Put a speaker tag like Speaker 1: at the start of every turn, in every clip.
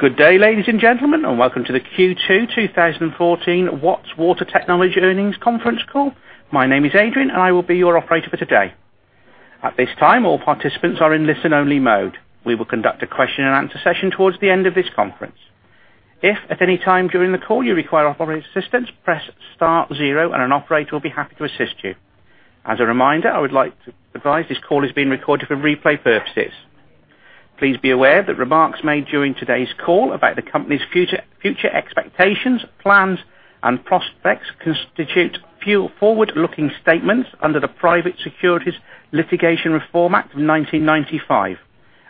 Speaker 1: Good day, ladies and gentlemen, and welcome to the Q2 2014 Watts Water Technologies Earnings Conference Call. My name is Adrian, and I will be your operator for today. At this time, all participants are in listen-only mode. We will conduct a question-and-answer session towards the end of this conference. If at any time during the call you require operating assistance, press star zero, and an operator will be happy to assist you. As a reminder, I would like to advise this call is being recorded for replay purposes. Please be aware that remarks made during today's call about the company's future, future expectations, plans, and prospects constitute few forward-looking statements under the Private Securities Litigation Reform Act of 1995.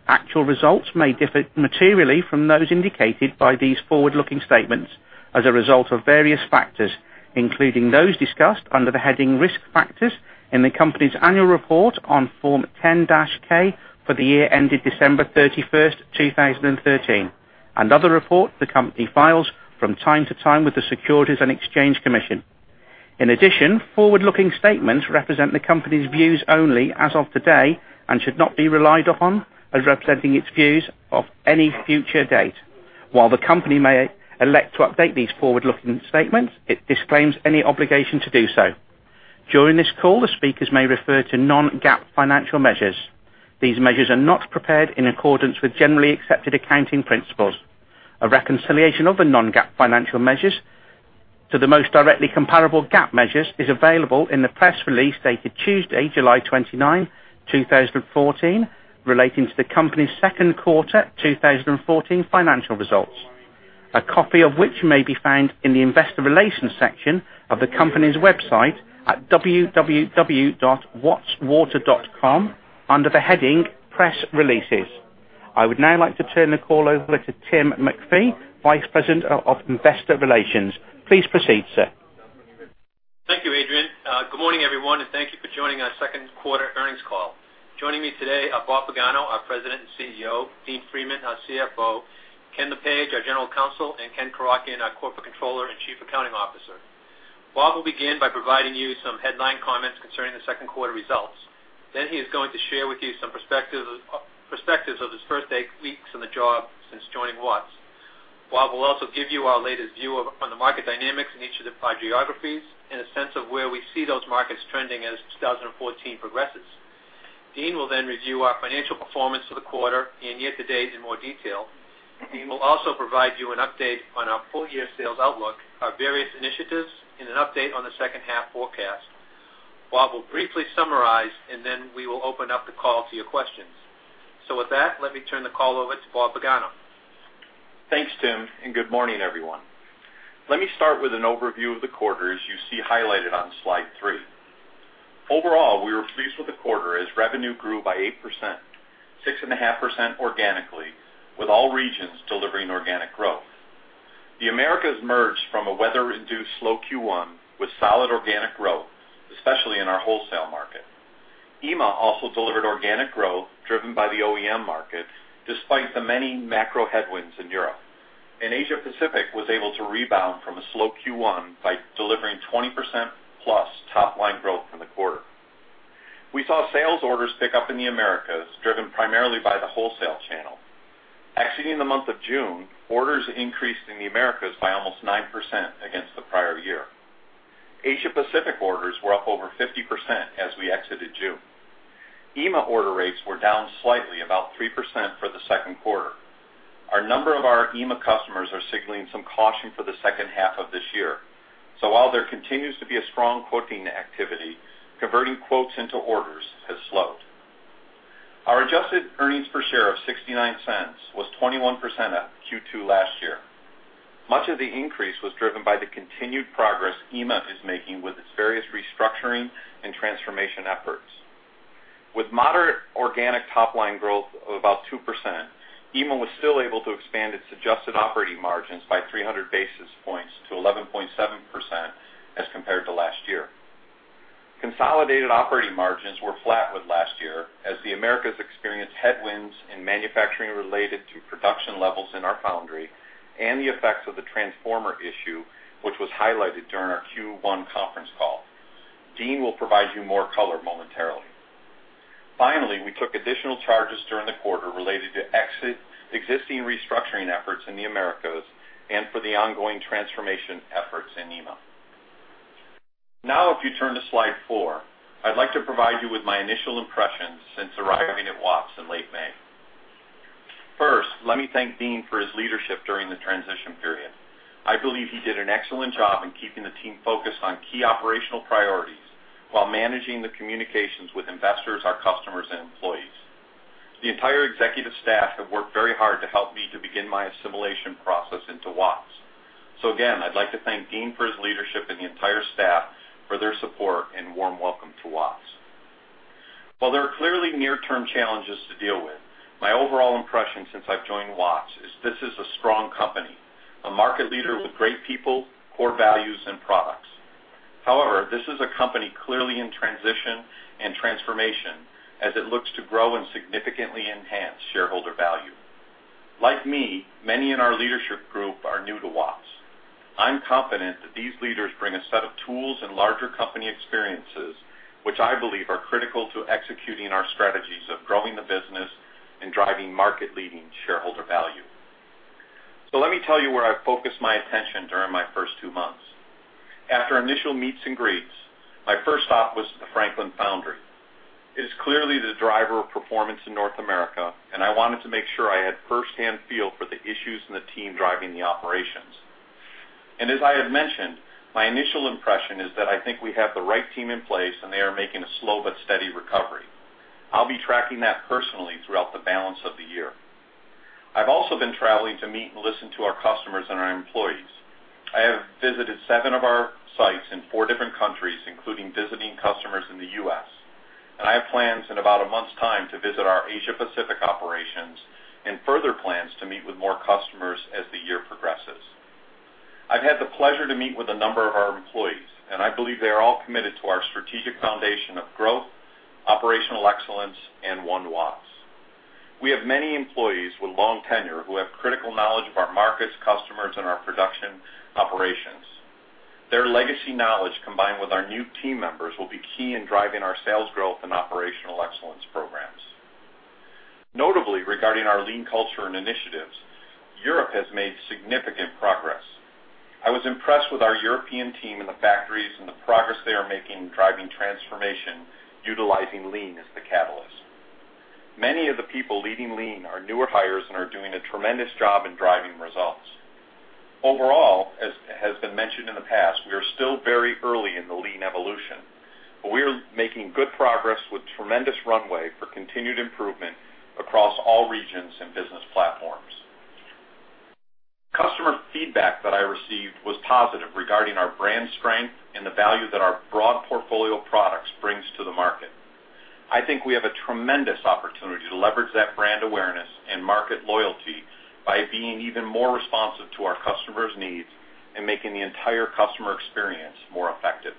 Speaker 1: Actual results may differ materially from those indicated by these forward-looking statements as a result of various factors, including those discussed under the heading Risk Factors in the company's annual report on Form 10-K for the year ended December 31, 2013, and other reports the company files from time to time with the Securities and Exchange Commission. In addition, forward-looking statements represent the company's views only as of today and should not be relied upon as representing its views of any future date. While the company may elect to update these forward-looking statements, it disclaims any obligation to do so. During this call, the speakers may refer to non-GAAP financial measures. These measures are not prepared in accordance with generally accepted accounting principles. A reconciliation of the non-GAAP financial measures to the most directly comparable GAAP measures is available in the press release dated Tuesday, July 29, 2014, relating to the company's second quarter 2014 financial results, a copy of which may be found in the Investor Relations section of the company's website at www.wattswater.com under the heading Press Releases. I would now like to turn the call over to Tim MacPhee, Vice President of Investor Relations. Please proceed, sir.
Speaker 2: Thank you, Adrian. Good morning, everyone, and thank you for joining our second quarter earnings call. Joining me today are Bob Pagano, our President and CEO, Dean Freeman, our CFO, Ken Lepage, our General Counsel, and Ken Korotkin, our Corporate Controller and Chief Accounting Officer. Bob will begin by providing you some headline comments concerning the second quarter results. Then he is going to share with you some perspectives of his first eight weeks on the job since joining Watts. Bob will also give you our latest view on the market dynamics in each of the five geographies and a sense of where we see those markets trending as 2014 progresses. Dean will then review our financial performance for the quarter and year to date in more detail. Dean will also provide you an update on our full-year sales outlook, our various initiatives, and an update on the second half forecast. Bob will briefly summarize, and then we will open up the call to your questions. With that, let me turn the call over to Bob Pagano.
Speaker 3: Thanks, Tim, and good morning, everyone. Let me start with an overview of the quarter, as you see highlighted on slide three. Overall, we were pleased with the quarter as revenue grew by 8%, 6.5% organically, with all regions delivering organic growth. The Americas emerged from a weather-induced slow Q1 with solid organic growth, especially in our wholesale market. EMEA also delivered organic growth, driven by the OEM market, despite the many macro headwinds in Europe. And Asia Pacific was able to rebound from a slow Q1 by delivering 20%+ top-line growth in the quarter. We saw sales orders pick up in the Americas, driven primarily by the wholesale channel. Exiting the month of June, orders increased in the Americas by almost 9% against the prior year. Asia Pacific orders were up over 50% as we exited June. EMEA order rates were down slightly, about 3% for the second quarter. A number of our EMEA customers are signaling some caution for the second half of this year. So while there continues to be a strong quoting activity, converting quotes into orders has slowed. Our adjusted earnings per share of $0.69 was 21% up Q2 last year. Much of the increase was driven by the continued progress EMEA is making with its various restructuring and transformation efforts. With moderate organic top-line growth of about 2%, EMEA was still able to expand its adjusted operating margins by three hundred basis points to 11.7% as compared to last year. Consolidated operating margins were flat with last year as the Americas experienced headwinds in manufacturing related to production levels in our foundry and the effects of the transformer issue, which was highlighted during our Q1 conference call. Dean will provide you more color momentarily. Finally, we took additional charges during the quarter related to exit existing restructuring efforts in the Americas and for the ongoing transformation efforts in EMEA. Now, if you turn to slide 4, I'd like to provide you with my initial impressions since arriving at Watts in late May. First, let me thank Dean for his leadership during the transition period. I believe he did an excellent job in keeping the team focused on key operational priorities while managing the communications with investors, our customers, and employees. The entire executive staff have worked very hard to help me to begin my assimilation process into Watts. So again, I'd like to thank Dean for his leadership and the entire staff for their support and warm welcome to Watts. While there are clearly near-term challenges to deal with, my overall impression since I've joined Watts is this is a strong company, a market leader with great people, core values, and products. However, this is a company clearly in transition and transformation as it looks to grow and significantly enhance shareholder value. Like me, many in the Watts. I'm confident that these leaders bring a set of tools and larger company experiences, which I believe are critical to executing our strategies of growing the business and driving market-leading shareholder value. So let me tell you where I've focused my attention during my first two months. After initial meets and greets, my first stop was the Franklin Foundry. It is clearly the driver of performance in North America, and I wanted to make sure I had firsthand feel for the issues and the team driving the operations. As I have mentioned, my initial impression is that I think we have the right team in place, and they are making a slow but steady recovery. I'll be tracking that personally throughout the balance of the year. I've also been traveling to meet and listen to our customers and our employees. I have visited seven of our sites in four different countries, including visiting customers in the U.S., and I have plans in about a month's time to visit our Asia Pacific operations, and further plans to meet with more customers as the year progresses. I've had the pleasure to meet with a number of our employees, and I believe they are all committed to our strategic foundation of growth, operational excellence, and One Watts. We have many employees with long tenure who have critical knowledge of our markets, customers, and our production operations. Their legacy knowledge, combined with our new team members, will be key in driving our sales growth and operational excellence programs. Notably, regarding our lean culture and initiatives, Europe has made significant progress. I was impressed with our European team in the factories and the progress they are making in driving transformation, utilizing lean as the catalyst. Many of the people leading lean are newer hires and are doing a tremendous job in driving results. Overall, as has been mentioned in the past, we are still very early in the Lean evolution, but we are making good progress with tremendous runway for continued improvement across all regions and business platforms. Customer feedback that I received was positive regarding our brand strength and the value that our broad portfolio of products brings to the market. I think we have a tremendous opportunity to leverage that brand awareness and market loyalty by being even more responsive to our customers' needs and making the entire customer experience more effective.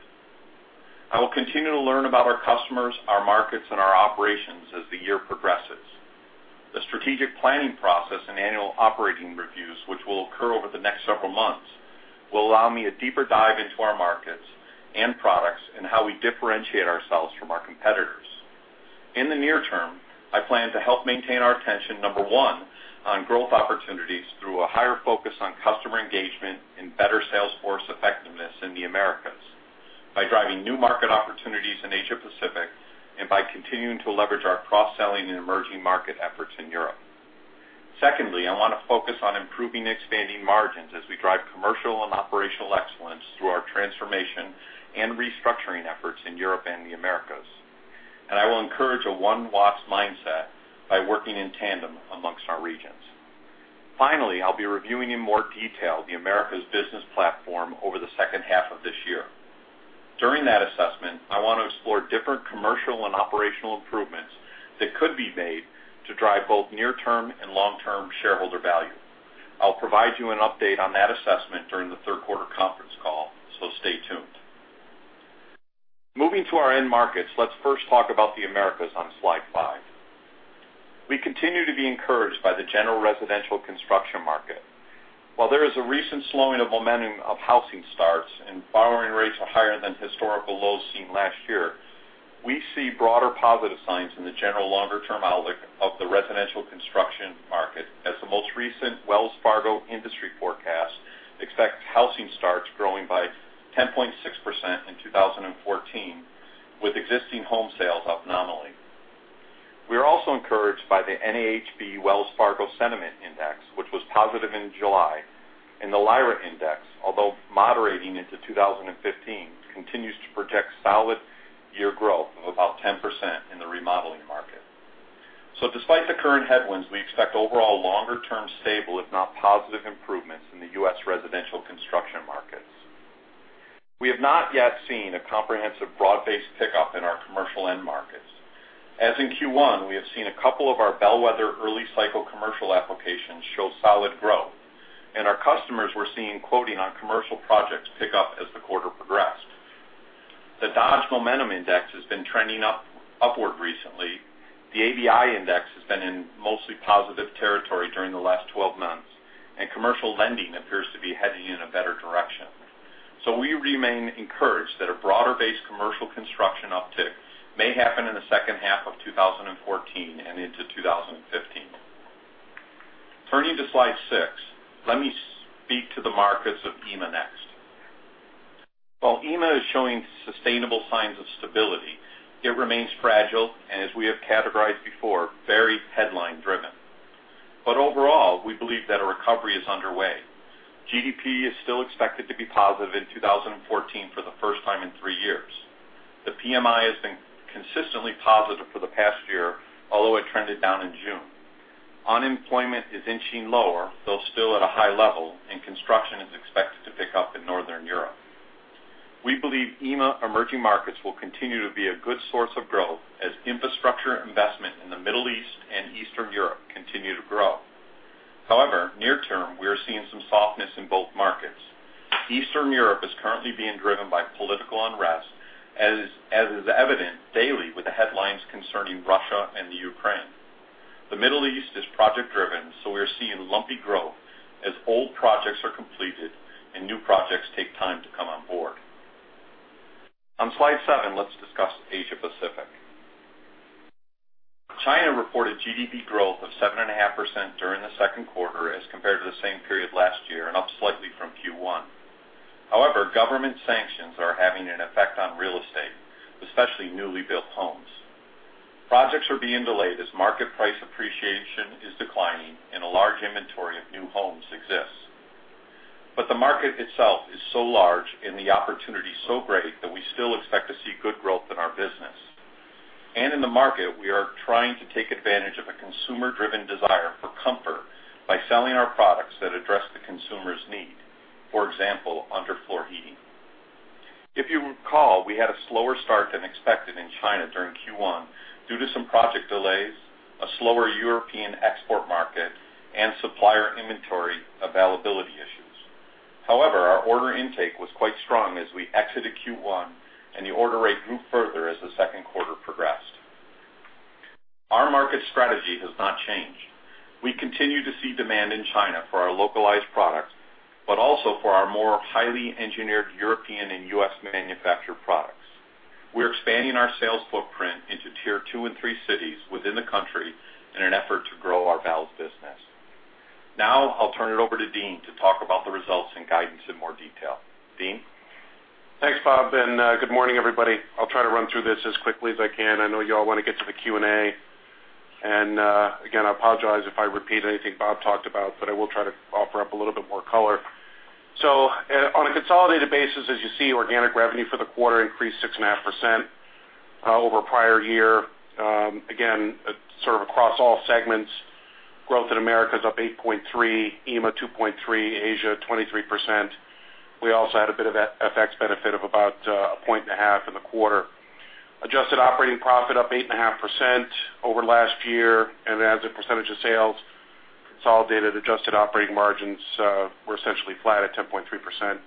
Speaker 3: I will continue to learn about our customers, our markets, and our operations as the year progresses. The strategic planning process and annual operating reviews, which will occur over the next several months, will allow me a deeper dive into our markets and products and how we differentiate ourselves from our competitors. In the near term, I plan to help maintain our attention, number one, on growth opportunities through a higher focus on customer engagement and better salesforce effectiveness in the Americas, by driving new market opportunities in Asia Pacific, and by continuing to leverage our cross-selling and emerging market efforts in Europe. Secondly, I want to focus on improving expanding margins as we drive commercial and operational excellence through our transformation and restructuring efforts in Europe and the Americas, and I will encourage a One Watts mindset by working in tandem amongst our regions. Finally, I'll be reviewing in more detail the Americas business platform over the second half of this year. During that assessment, I want to explore different commercial and operational improvements that could be made to drive both near-term and long-term shareholder value. I'll provide you an update on that assessment during the third quarter conference call, so stay tuned. Moving to our end markets, let's first talk about the Americas on slide five. We continue to be encouraged by the general residential construction market. While there is a recent slowing of momentum of housing starts and borrowing rates are higher than historical lows seen last year, we see broader positive signs in the general longer-term outlook of the residential construction market, as the most recent Wells Fargo industry forecast expects housing starts growing by 10.6% in 2014, with existing home sales up nominally. We are also encouraged by the NAHB Wells Fargo Sentiment Index, which was positive in July, and the LIRA Index, although moderating into 2015, continues to project solid year growth of about 10% in the remodeling market. So despite the current headwinds, we expect overall longer-term stable, if not positive, improvements in the U.S. residential construction markets. We have not yet seen a comprehensive, broad-based pickup in our commercial end markets. As in Q1, we have seen a couple of our bellwether early cycle commercial applications show solid growth, and our customers were seeing quoting on commercial projects pick up as the quarter progressed. The Dodge Momentum Index has been trending upward recently. The ABI Index has been in mostly positive territory during the last twelve months, and commercial lending appears to be heading in a better direction. So we remain encouraged that a broader-based commercial construction uptick may happen in the second half of 2014 and into 2015. Turning to slide 6, let me speak to the markets of EMEA next. While EMEA is showing sustainable signs of stability, it remains fragile, and as we have categorized before, very headline-driven. Overall, we believe that a recovery is underway. GDP is still expected to be positive in 2014 for the first time in three years. The PMI has been consistently positive for the past year, although it trended down in June. Unemployment is inching lower, though still at a high level, and construction is expected to pick up in Northern Europe. We believe EMEA emerging markets will continue to be a good source of growth as infrastructure investment in the Middle East and Eastern Europe continue to grow. However, near term, we are seeing some softness in both markets. Eastern Europe is currently being driven by political unrest, as is evident daily with the headlines concerning Russia and the Ukraine. The Middle East is project-driven, so we're seeing lumpy growth as old projects are completed and new projects take time to come on board. On Slide 7, let's discuss Asia Pacific. China reported GDP growth of 7.5% during the second quarter as compared to the same period last year and up slightly from Q1. However, government sanctions are having an effect on real estate, especially newly built homes. Projects are being delayed as market price appreciation is declining and a large inventory of new homes exists. But the market itself is so large and the opportunity so great, that we still expect to see good growth in our business. In the market, we are trying to take advantage of a consumer-driven desire for comfort by selling our products that address the consumer's need, for example, underfloor heating. If you recall, we had a slower start than expected in China during Q1 due to some project delays, a slower European export market, and supplier inventory availability issues. However, our order intake was quite strong as we exited Q1, and the order rate grew further as the second quarter progressed. Our market strategy has not changed. We continue to see demand in China for our localized products, but also for our more highly engineered European and U.S.-manufactured products. We're expanding our sales footprint into tier two and three cities within the country in an effort to grow our valves business. Now, I'll turn it over to Dean to talk about the results and guidance in more detail. Dean?
Speaker 4: Thanks, Bob, and good morning, everybody. I'll try to run through this as quickly as I can. I know you all want to get to the Q&A. Again, I apologize if I repeat anything Bob talked about, but I will try to offer up a little bit more color. So on a consolidated basis, as you see, organic revenue for the quarter increased 6.5% over prior year. Again, sort of across all segments, growth in Americas up 8.3, EMEA, 2.3, Asia, 23%. We also had a bit of that FX benefit of about 1.5 in the quarter. Adjusted operating profit up 8.5% over last year, and as a percentage of sales, consolidated adjusted operating margins were essentially flat at 10.3%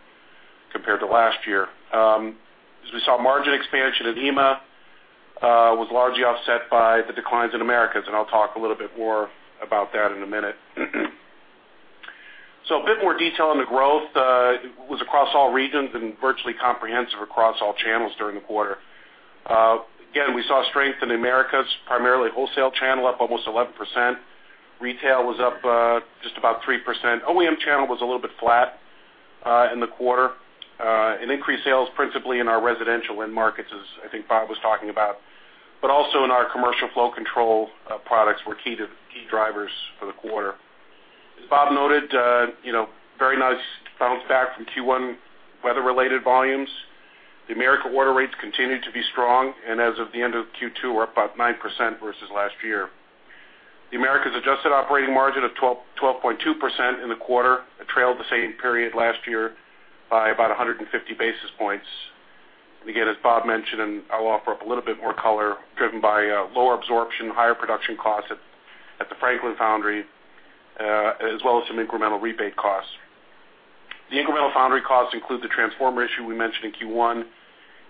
Speaker 4: compared to last year. As we saw, margin expansion in EMEA was largely offset by the declines in Americas, and I'll talk a little bit more about that in a minute. So a bit more detail on the growth was across all regions and virtually comprehensive across all channels during the quarter. Again, we saw strength in Americas, primarily wholesale channel, up almost 11%. Retail was up just about 3%. OEM channel was a little bit flat in the quarter, and increased sales, principally in our residential end markets, as I think Bob was talking about. But also in our commercial flow control products were key drivers for the quarter. As Bob noted, you know, very nice bounce back from Q1 weather-related volumes. The Americas order rates continued to be strong, and as of the end of Q2, we're up about 9% versus last year. The Americas adjusted operating margin of 12.2% in the quarter trailed the same period last year by about 150 basis points. And again, as Bob mentioned, and I'll offer up a little bit more color, driven by lower absorption, higher production costs at the Franklin Foundry, as well as some incremental rebate costs. The incremental foundry costs include the transformer issue we mentioned in Q1,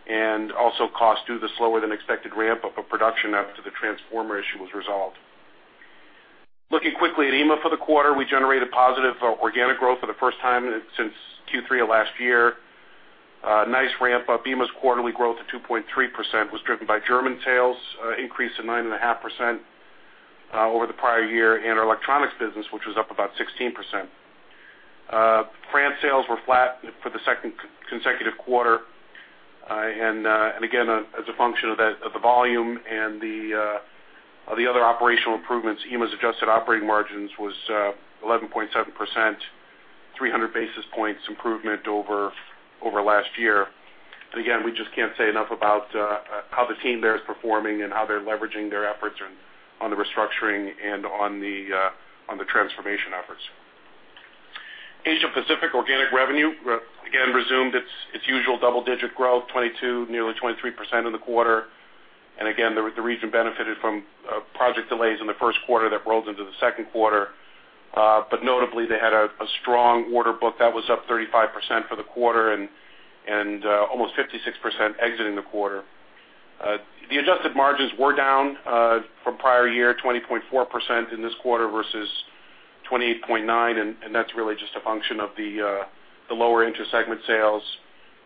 Speaker 4: and also costs due to slower than expected ramp-up of production after the transformer issue was resolved. Looking quickly at EMEA for the quarter, we generated positive organic growth for the first time since Q3 of last year. Nice ramp up. EMEA's quarterly growth of 2.3% was driven by German sales increase of 9.5% over the prior year, and our electronics business, which was up about 16%. France sales were flat for the second consecutive quarter. And again, as a function of that, of the volume and the other operational improvements, EMEA's adjusted operating margins was 11.7%, 300 basis points improvement over last year. Again, we just can't say enough about how the team there is performing and how they're leveraging their efforts on the restructuring and on the transformation efforts. Asia Pacific organic revenue, again, resumed its usual double-digit growth, 22, nearly 23% in the quarter. And again, the region benefited from project delays in the first quarter that rolled into the second quarter. But notably, they had a strong order book that was up 35% for the quarter and almost 56% exiting the quarter. The adjusted margins were down from prior year, 20.4% in this quarter versus 28.9%, and that's really just a function of the lower intersegment sales.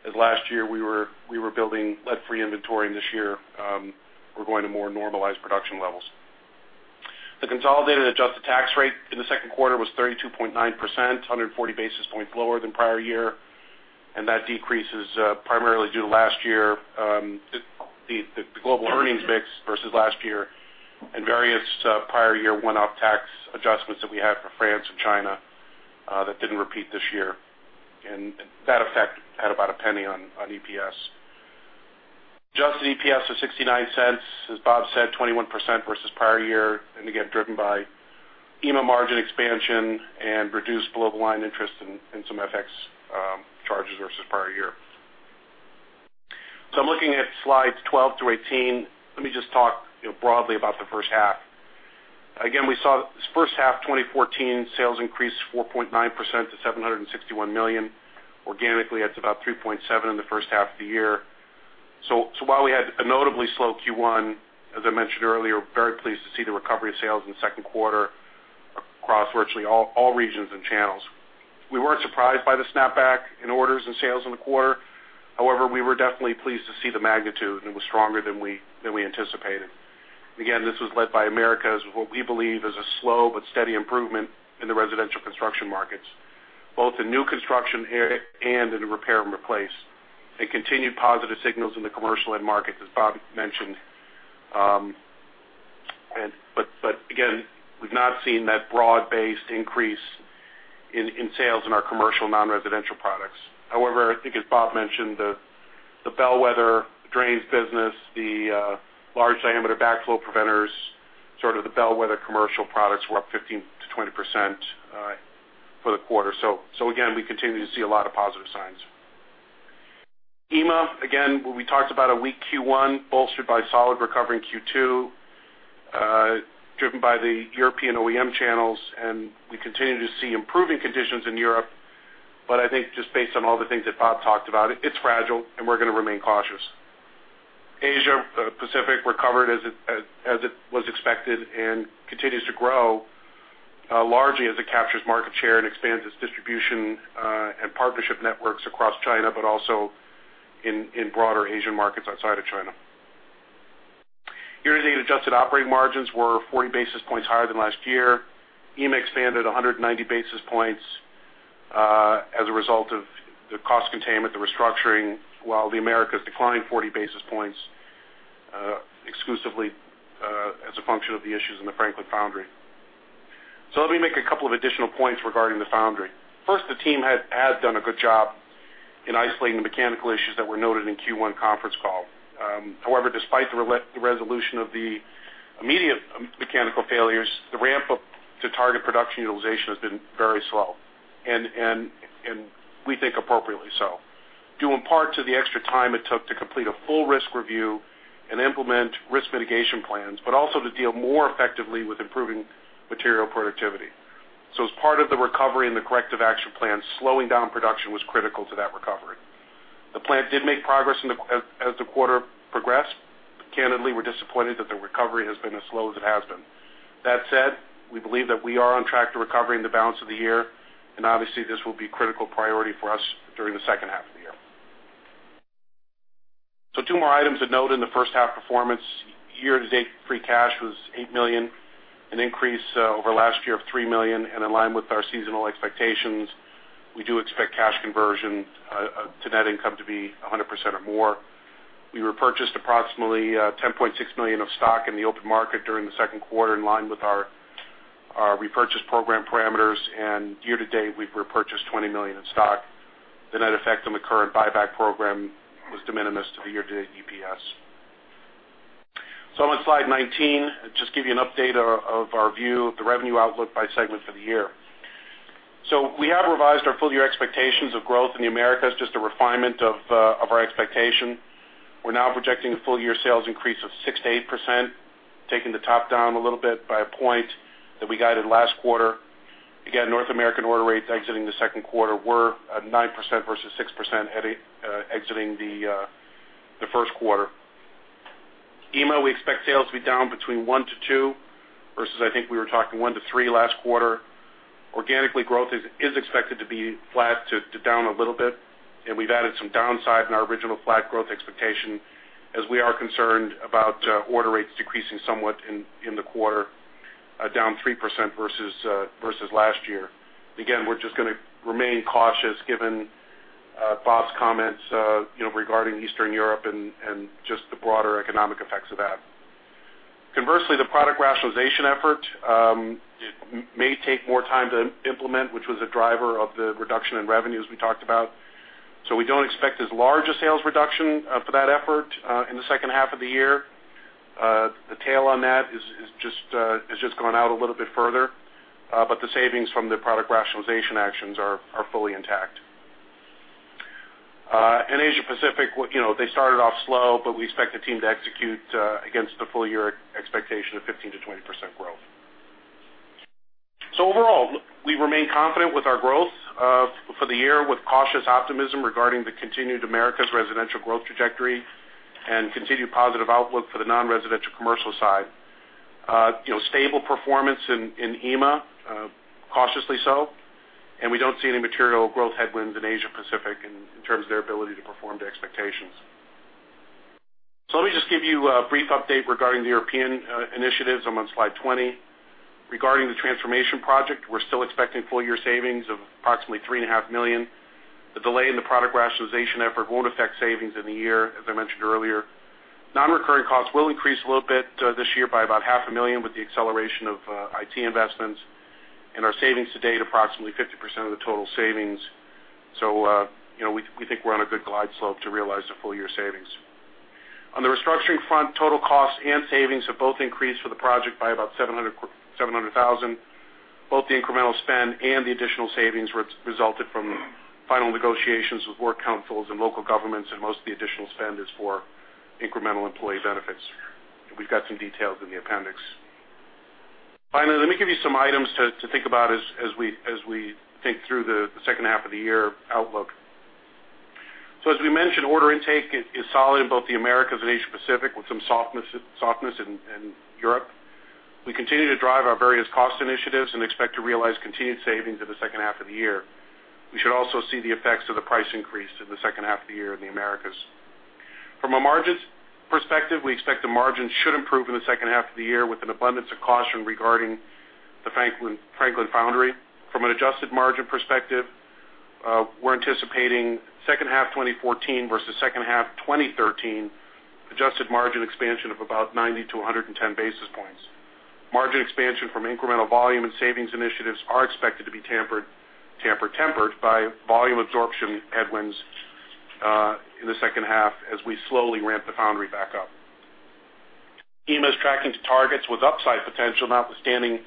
Speaker 4: As last year, we were building lead-free inventory, and this year, we're going to more normalized production levels. The consolidated adjusted tax rate in the second quarter was 32.9%, 140 basis points lower than prior year, and that decrease is primarily due to last year, the global earnings mix versus last year and various prior year one-off tax adjustments that we had for France and China that didn't repeat this year. And that effect had about a penny on EPS. Adjusted EPS was $0.69, as Bob said, 21% versus prior year, and again, driven by EMEA margin expansion and reduced below-the-line interest in some FX charges versus prior year. So I'm looking at slides 12 to 18. Let me just talk, you know, broadly about the first half. Again, we saw this first half 2014, sales increased 4.9% to $761 million. Organically, that's about 3.7 in the first half of the year. So while we had a notably slow Q1, as I mentioned earlier, very pleased to see the recovery of sales in the second quarter across virtually all regions and channels. We weren't surprised by the snapback in orders and sales in the quarter. However, we were definitely pleased to see the magnitude, and it was stronger than we anticipated. Again, this was led by Americas, what we believe is a slow but steady improvement in the residential construction markets, both in new construction and in the repair and replace, and continued positive signals in the commercial end market, as Bob mentioned. But again, we've not seen that broad-based increase in sales in our commercial non-residential products. However, I think as Bob mentioned, the bellwether drains business, the large diameter backflow preventers, sort of the bellwether commercial products were up 15%-20% for the quarter. So, so again, we continue to see a lot of positive signs. EMEA, again, we talked about a weak Q1, bolstered by solid recovery in Q2, driven by the European OEM channels, and we continue to see improving conditions in Europe. But I think just based on all the things that Bob talked about, it's fragile, and we're gonna remain cautious. Asia Pacific recovered as it was expected and continues to grow, largely as it captures market share and expands its distribution and partnership networks across China, but also in broader Asian markets outside of China. Year-to-date adjusted operating margins were 40 basis points higher than last year. EMEA expanded 190 basis points, as a result of the cost containment, the restructuring, while the Americas declined 40 basis points, exclusively, as a function of the issues in the Franklin foundry. So let me make a couple of additional points regarding the foundry. First, the team has done a good job in isolating the mechanical issues that were noted in Q1 conference call. However, despite the resolution of the immediate mechanical failures, the ramp-up to target production utilization has been very slow, and we think appropriately so. Due in part to the extra time it took to complete a full risk review and implement risk mitigation plans, but also to deal more effectively with improving material productivity. So as part of the recovery and the corrective action plan, slowing down production was critical to that recovery. The plant did make progress as the quarter progressed. Candidly, we're disappointed that the recovery has been as slow as it has been. That said, we believe that we are on track to recovery in the balance of the year, and obviously, this will be critical priority for us during the second half of the year. So two more items of note in the first half performance. Year-to-date, free cash was $8 million, an increase over last year of $3 million, and in line with our seasonal expectations. We do expect cash conversion to net income to be 100% or more. We repurchased approximately $10.6 million of stock in the open market during the second quarter, in line with our repurchase program parameters, and year to date, we've repurchased $20 million in stock. The net effect on the current buyback program was de minimis to the year-to-date EPS. So on slide 19, just give you an update of our view of the revenue outlook by segment for the year. So we have revised our full year expectations of growth in the Americas, just a refinement of our expectation. We're now projecting a full year sales increase of 6%-8%, taking the top down a little bit by a point that we guided last quarter. Again, North American order rates exiting the second quarter were 9% versus 6%, exiting the first quarter. EMEA, we expect sales to be down between 1%-2%, versus I think we were talking 1%-3% last quarter. Organically, growth is expected to be flat to down a little bit, and we've added some downside in our original flat growth expectation as we are concerned about order rates decreasing somewhat in the quarter, down 3% versus last year. Again, we're just gonna remain cautious given Bob's comments, you know, regarding Eastern Europe and just the broader economic effects of that. Conversely, the product rationalization effort, it may take more time to implement, which was a driver of the reduction in revenues we talked about. So we don't expect as large a sales reduction for that effort in the second half of the year. The tail on that has just gone out a little bit further, but the savings from the product rationalization actions are fully intact. In Asia Pacific, you know, they started off slow, but we expect the team to execute against the full-year expectation of 15%-20% growth. So overall, we remain confident with our growth for the year, with cautious optimism regarding the continued Americas residential growth trajectory and continued positive outlook for the non-residential commercial side. You know, stable performance in EMA, cautiously so, and we don't see any material growth headwinds in Asia Pacific in terms of their ability to perform to expectations. So let me just give you a brief update regarding the European initiatives on slide 20. Regarding the transformation project, we're still expecting full-year savings of approximately $3.5 million. The delay in the product rationalization effort won't affect savings in the year, as I mentioned earlier. Non-recurring costs will increase a little bit this year by about $500,000, with the acceleration of IT investments and our savings to date, approximately 50% of the total savings. So, you know, we think we're on a good glide slope to realize the full year savings. On the restructuring front, total costs and savings have both increased for the project by about $700,000. Both the incremental spend and the additional savings resulted from final negotiations with work councils and local governments, and most of the additional spend is for incremental employee benefits. We've got some details in the appendix. Finally, let me give you some items to think about as we think through the second half of the year outlook. So as we mentioned, order intake is solid in both the Americas and Asia Pacific, with some softness in Europe. We continue to drive our various cost initiatives and expect to realize continued savings in the second half of the year. We should also see the effects of the price increase in the second half of the year in the Americas. From a margins perspective, we expect the margin should improve in the second half of the year with an abundance of caution regarding the Franklin Foundry. From an adjusted margin perspective, we're anticipating second half 2014 versus second half 2013, adjusted margin expansion of about 90 to 110 basis points. Margin expansion from incremental volume and savings initiatives are expected to be tempered by volume absorption headwinds in the second half as we slowly ramp the foundry back up. EMEA is tracking to targets with upside potential, notwithstanding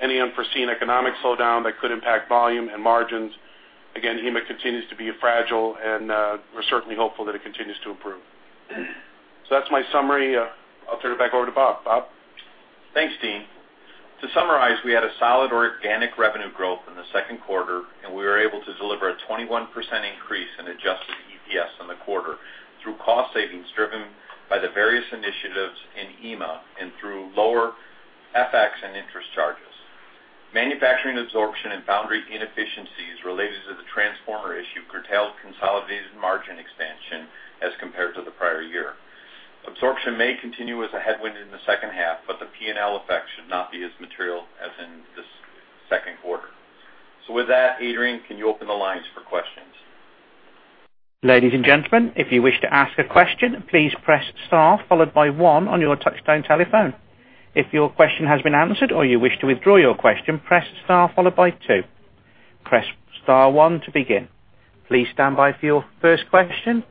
Speaker 4: any unforeseen economic slowdown that could impact volume and margins. Again, EMEA continues to be fragile, and we're certainly hopeful that it continues to improve. So that's my summary. I'll turn it back over to Bob. Bob?
Speaker 3: Thanks, Dean. To summarize, we had a solid organic revenue growth in the second quarter, and we were able to deliver a 21% increase in adjusted EPS in the quarter through cost savings driven by the various initiatives in EMEA and through lower FX and interest charges. Manufacturing absorption and foundry inefficiencies related to the transformer issue curtailed consolidated margin expansion as compared to the prior year. Absorption may continue as a headwind in the second half, but the P&L effect should not be as material as in this second quarter. So with that, Adrian, can you open the lines for questions?
Speaker 1: Ladies and gentlemen, if you wish to ask a question, please press star, followed by one on your touchtone telephone. If your question has been answered or you wish to withdraw your question, press star followed by two. Press star one to begin. Please stand by for your first question,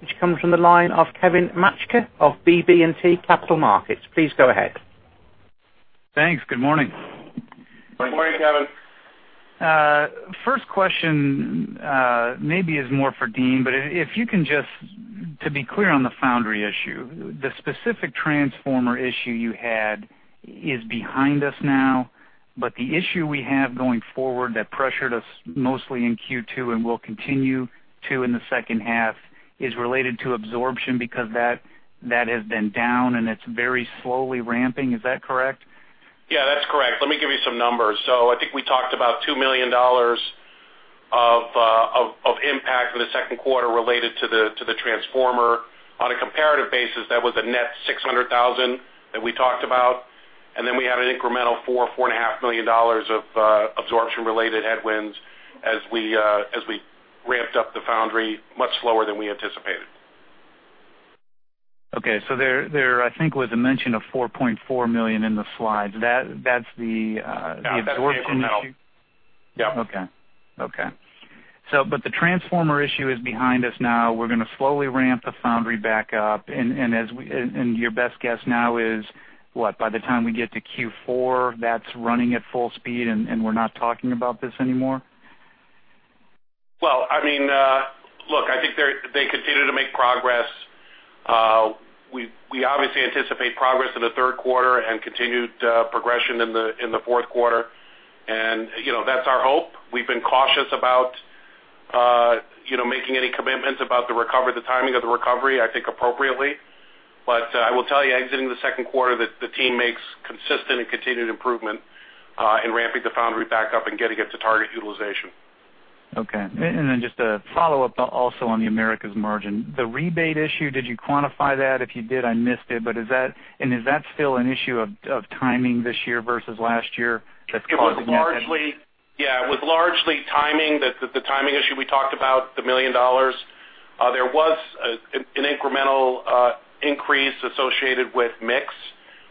Speaker 1: which comes from the line of Kevin Maczka of BB&T Capital Markets. Please go ahead.
Speaker 5: Thanks. Good morning. Good morning, Kevin. First question, maybe is more for Dean, but if you can just, to be clear on the foundry issue, the specific transformer issue you had is behind us now, but the issue we have going forward that pressured us mostly in Q2 and will continue to in the second half, is related to absorption because that, that has been down and it's very slowly ramping. Is that correct?
Speaker 4: Yeah, that's correct. Let me give you some numbers. So I think we talked about $2 million of impact in the second quarter related to the transformer. On a comparative basis, that was a net $600,000 that we talked about, and then we had an incremental $4-$4.5 million of absorption-related headwinds as we ramped up the foundry much slower than we anticipated.
Speaker 5: Okay, so there, I think, was a mention of $4.4 million in the slides. That's the absorption issue?
Speaker 4: Yeah.
Speaker 5: Okay. So but the transformer issue is behind us now. We're gonna slowly ramp the foundry back up, and your best guess now is what? By the time we get to Q4, that's running at full speed, and we're not talking about this anymore?
Speaker 4: Well, I mean, look, I think they continue to make progress. We obviously anticipate progress in the third quarter and continued progression in the fourth quarter, and, you know, that's our hope. We've been cautious about, you know, making any commitments about the recovery, the timing of the recovery, I think appropriately. But, I will tell you, exiting the second quarter, that the team makes consistent and continued improvement in ramping the foundry back up and getting it to target utilization.
Speaker 5: Okay. And then just a follow-up, also on the Americas margin. The rebate issue, did you quantify that? If you did, I missed it. But is that... And is that still an issue of timing this year versus last year that's causing it?
Speaker 4: It was largely—yeah, it was largely timing. The timing issue we talked about, the $1 million. There was an incremental increase associated with mix.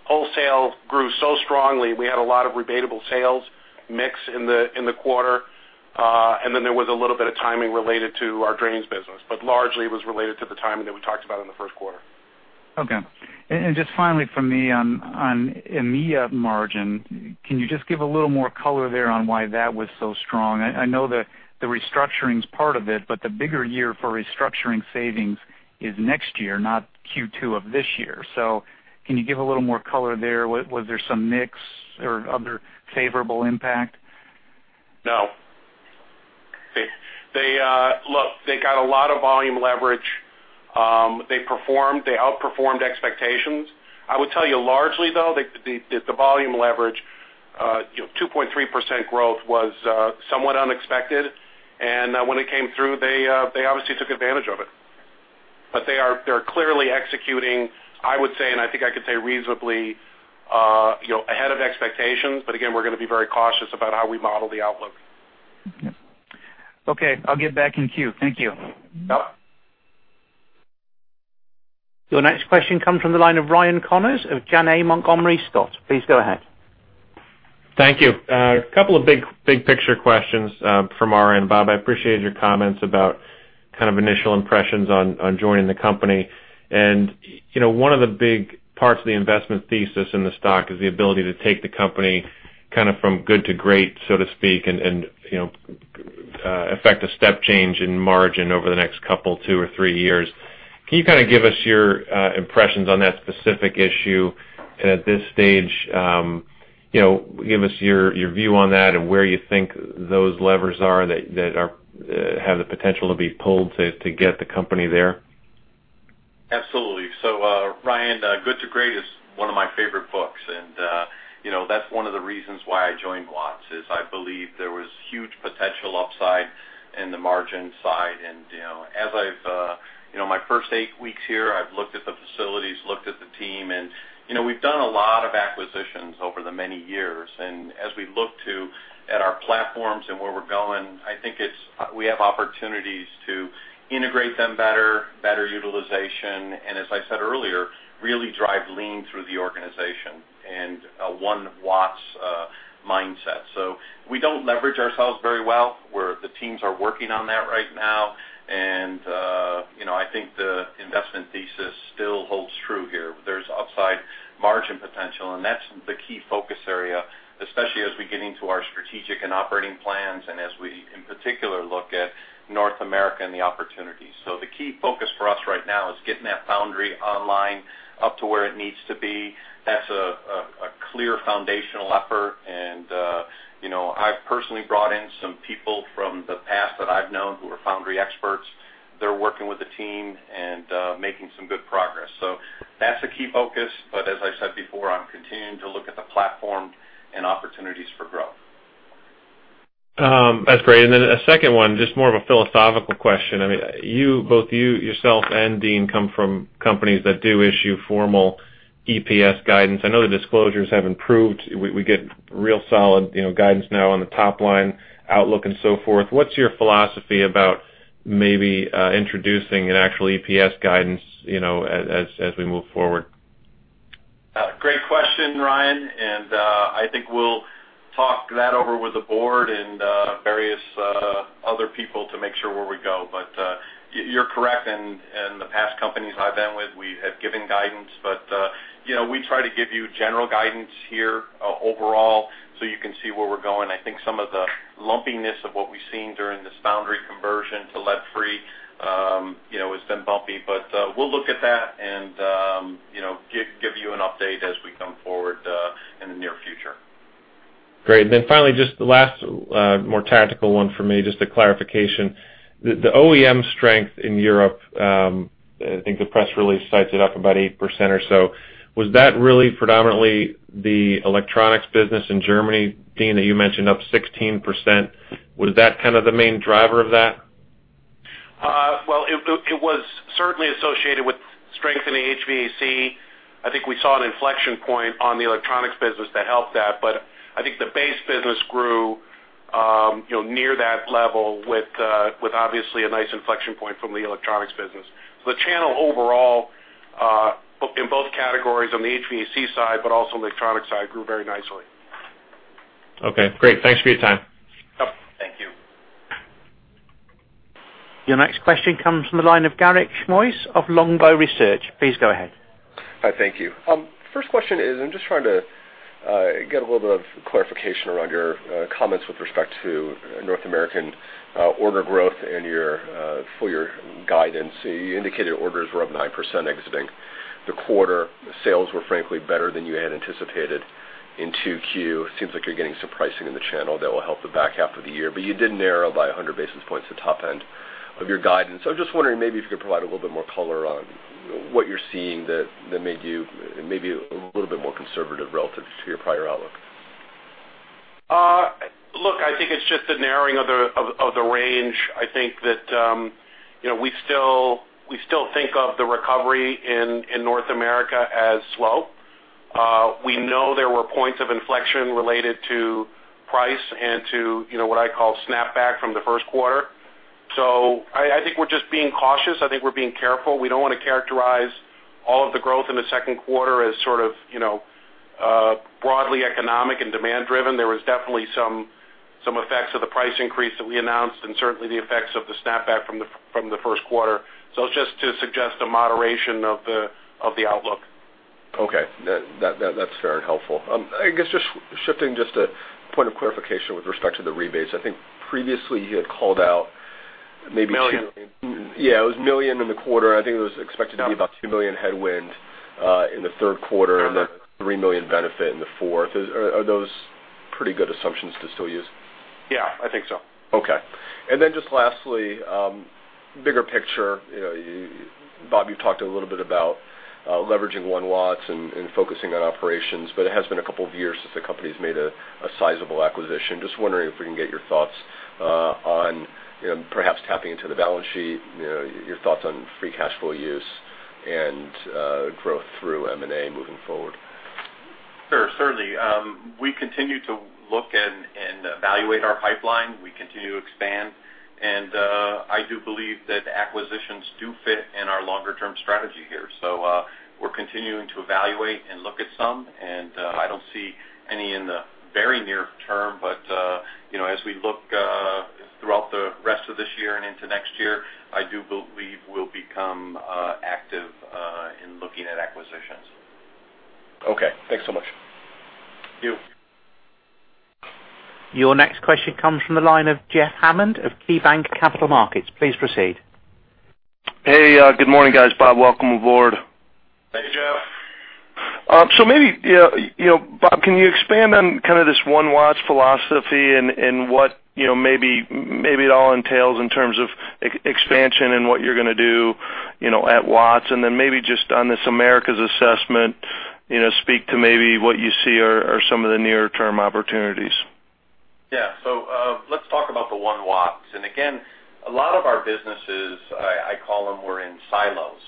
Speaker 4: Wholesale grew so strongly, we had a lot of rebatable sales mix in the quarter, and then there was a little bit of timing related to our drains business, but largely it was related to the timing that we talked about in the first quarter.
Speaker 5: Okay. And just finally for me on EMEA margin, can you just give a little more color there on why that was so strong? I know the restructuring is part of it, but the bigger year for restructuring savings is next year, not Q2 of this year. So can you give a little more color there? Was there some mix or other favorable impact?
Speaker 4: No. They, look, they got a lot of volume leverage. They performed, they outperformed expectations. I would tell you largely, though, the volume leverage, you know, 2.3% growth was somewhat unexpected, and when it came through, they obviously took advantage of it. But they are, they're clearly executing, I would say, and I think I could say reasonably, you know, ahead of expectations, but again, we're going to be very cautious about how we model the outlook.
Speaker 5: Okay. I'll get back in queue. Thank you.
Speaker 4: Yep.
Speaker 1: Your next question comes from the line of Ryan Connors of Janney Montgomery Scott. Please go ahead.
Speaker 6: Thank you. A couple of big, big picture questions from our end, Bob. I appreciated your comments about kind of initial impressions on joining the company. You know, one of the big parts of the investment thesis in the stock is the ability to take the company kind of from good to great, so to speak, and affect a step change in margin over the next couple, two or three years. Can you kind of give us your impressions on that specific issue? And at this stage, you know, give us your view on that and where you think those levers are that have the potential to be pulled to get the company there?
Speaker 3: Absolutely. So, Ryan, Good to Great is one of my favorite books, and, you know, that's one of the reasons why I joined Watts, is I believe there was huge potential upside in the margin side. And, you know, as I've, you know, my first eight weeks here, I've looked at the facilities, looked at the team, and, you know, we've done a lot of acquisitions over the many years. And as we look at our platforms and where we're going, I think it's, we have opportunities to integrate them better, better utilization, and as I said earlier, really drive Lean through the organization and a One Watts mindset. So we don't leverage ourselves very well, where the teams are working on that right now. And, you know, I think the investment thesis still holds true here. There's upside margin potential, and that's the key focus area, especially as we get into our strategic and operating plans and as we, in particular, look at North America and the opportunities. So the key focus for us right now is getting that foundry online, up to where it needs to be. That's a clear foundational effort. And, you know, I've personally brought in some people from the past that I've known who are foundry experts. They're working with the team and, making some good progress. So that's a key focus. But as I said before, I'm continuing to look at the platform and opportunities for growth.
Speaker 6: That's great. And then a second one, just more of a philosophical question. I mean, you, both you, yourself and Dean come from companies that do issue formal EPS guidance. I know the disclosures have improved. We, we get real solid, you know, guidance now on the top line, outlook, and so forth. What's your philosophy about maybe introducing an actual EPS guidance, you know, as we move forward?
Speaker 3: Great question, Ryan, and I think we'll talk that over with the board and various other people to make sure where we go. But you're correct, and the past companies I've been with, we have given guidance. But you know, we try to give you general guidance here, overall, so you can see where we're going. I think some of the lumpiness of what we've seen during this foundry conversion to lead-free, you know, has been bumpy. But we'll look at that and you know, give you an update as we come forward, in the near future.
Speaker 6: Great. And then finally, just the last, more tactical one for me, just a clarification. The OEM strength in Europe, I think the press release cites it up about 8% or so. Was that really predominantly the electronics business in Germany, Dean, that you mentioned, up 16%? Was that kind of the main driver of that?
Speaker 4: Well, it, it was certainly associated with strength in the HVAC. I think we saw an inflection point on the electronics business that helped that, but I think the base business grew, you know, near that level with, with obviously a nice inflection point from the electronics business. The channel overall, in both categories on the HVAC side, but also in the electronics side, grew very nicely.
Speaker 6: Okay, great. Thanks for your time.
Speaker 4: Yep.
Speaker 3: Thank you.
Speaker 1: Your next question comes from the line of Garik Shmois of Longbow Research. Please go ahead.
Speaker 7: Hi, thank you. First question is, I'm just trying to get a little bit of clarification around your comments with respect to North American order growth and your full year guidance. So you indicated orders were up 9% exiting the quarter. Sales were frankly better than you had anticipated in 2Q. Seems like you're getting some pricing in the channel that will help the back half of the year, but you did narrow by 100 basis points the top end of your guidance. So I'm just wondering maybe if you could provide a little bit more color on what you're seeing that, that made you maybe a little bit more conservative relative to your prior outlook.
Speaker 4: Look, I think it's just a narrowing of the range. I think that, you know, we still think of the recovery in North America as slow. We know there were points of inflection related to price and to, you know, what I call snapback from the first quarter. So I think we're just being cautious. I think we're being careful. We don't want to characterize all of the growth in the second quarter as sort of, you know, broadly economic and demand driven. There was definitely some effects of the price increase that we announced, and certainly the effects of the snapback from the first quarter. So just to suggest a moderation of the outlook.
Speaker 7: Okay. That's fair and helpful. I guess just shifting a point of clarification with respect to the rebates. I think previously you had called out maybe-
Speaker 4: Million.
Speaker 7: Yeah, it was million in the quarter. I think it was expected to be about $2 million headwind in the third quarter, and then $3 million benefit in the fourth. Are, are those pretty good assumptions to still use?
Speaker 4: Yeah, I think so.
Speaker 7: Okay. And then just lastly, bigger picture. You know, Bob, you talked a little bit about leveraging one Watts and focusing on operations, but it has been a couple of years since the company's made a sizable acquisition. Just wondering if we can get your thoughts on, you know, perhaps tapping into the balance sheet, you know, your thoughts on free cash flow use and growth through M&A moving forward.
Speaker 3: Sure, certainly. We continue to look and evaluate our pipeline. We continue to expand, and I do believe that acquisitions do fit in our longer-term strategy here. So, we're continuing to evaluate and look at some, and I don't see any in the very near term, but you know, as we look the rest of this year and into next year, I do believe we'll become active in looking at acquisitions.
Speaker 7: Okay. Thanks so much.
Speaker 3: Thank you.
Speaker 1: Your next question comes from the line of Jeff Hammond of KeyBanc Capital Markets. Please proceed.
Speaker 8: Hey, good morning, guys. Bob, welcome aboard.
Speaker 3: Thank you, Jeff.
Speaker 8: So maybe, yeah, you know, Bob, can you expand on kind of this One Watts philosophy and what, you know, maybe it all entails in terms of expansion and what you're gonna do, you know, at Watts, and then maybe just on this Americas assessment, you know, speak to maybe what you see are some of the near-term opportunities?
Speaker 3: Yeah. So, let's talk about the One Watts. And again, a lot of our businesses, I call them, were in silos,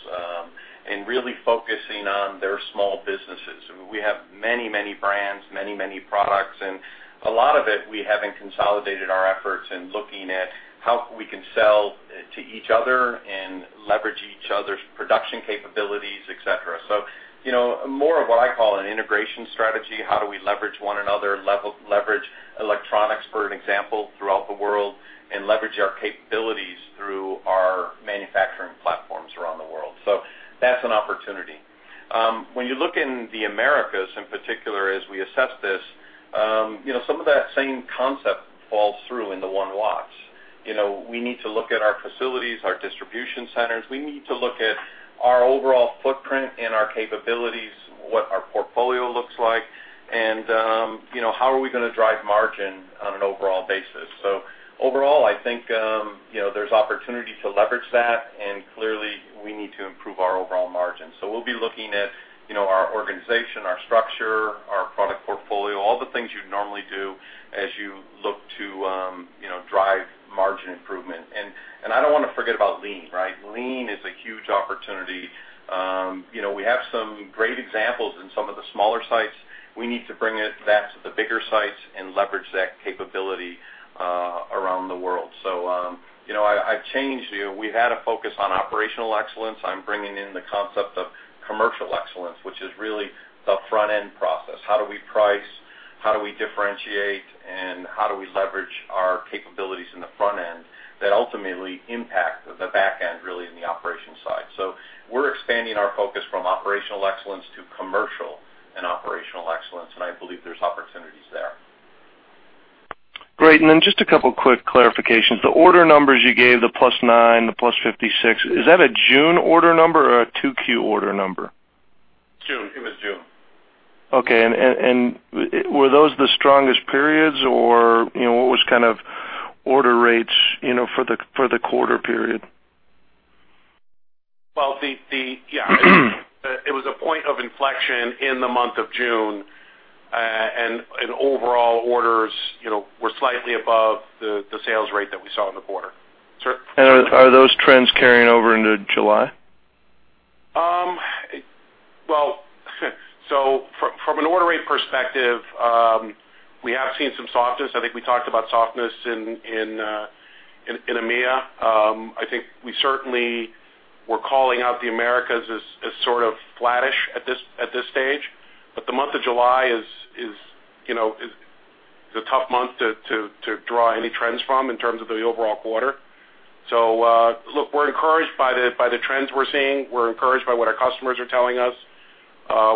Speaker 3: and really focusing on their small businesses. We have many, many brands, many, many products, and a lot of it, we haven't consolidated our efforts in looking at how we can sell to each other and leverage each other's production capabilities, et cetera. So, you know, more of what I call an integration strategy, how do we leverage one another, leverage electronics, for an example, throughout the world, and leverage our capabilities through our manufacturing platforms around the world? So that's an opportunity. When you look in the Americas, in particular, as we assess this, you know, some of that same concept falls through in the One Watts. You know, we need to look at our facilities, our distribution centers. We need to look at our overall footprint and our capabilities, what our portfolio looks like, and, you know, how are we gonna drive margin on an overall basis. So overall, I think, you know, there's opportunity to leverage that, and clearly, we need to improve our overall margin. So we'll be looking at, you know, our organization, our structure, our product portfolio, all the things you'd normally do as you look to, you know, drive margin improvement. And I don't wanna forget about Lean, right? Lean is a huge opportunity. You know, we have some great examples in some of the smaller sites. We need to bring it back to the bigger sites and leverage that capability around the world. So, you know, I've changed, you know, we had a focus on operational excellence. I'm bringing in the concept of commercial excellence, which is really the front-end process. How do we price, how do we differentiate, and how do we leverage our capabilities in the front end that ultimately impact the back end, really, in the operation side? So we're expanding our focus from operational excellence to commercial and operational excellence, and I believe there's opportunities there.
Speaker 8: Great. And then just a couple quick clarifications. The order numbers you gave, the +9, the +56, is that a June order number or a 2Q order number?
Speaker 3: June. It was June.
Speaker 8: Okay. And were those the strongest periods, or, you know, what was kind of order rates, you know, for the, for the quarter period?
Speaker 3: Well, yeah, it was a point of inflection in the month of June, and overall orders, you know, were slightly above the sales rate that we saw in the quarter. So-
Speaker 8: Are those trends carrying over into July?
Speaker 3: Well, so from an order rate perspective, we have seen some softness. I think we talked about softness in EMEA. I think we certainly were calling out the Americas as sort of flattish at this stage, but the month of July is, you know, a tough month to draw any trends from in terms of the overall quarter. So, look, we're encouraged by the trends we're seeing. We're encouraged by what our customers are telling us.